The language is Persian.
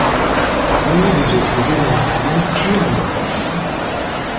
آیا جوجهتیغی واقعا تیغ میپراند؟